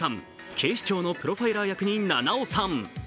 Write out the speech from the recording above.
警視庁のプロファイラー役に菜々緒さん。